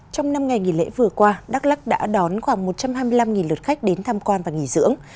trong năm ngày nghỉ lễ vừa qua đắk lắc đã đón khoảng một trăm hai mươi năm lượt khách đến tham quan và nghỉ dưỡng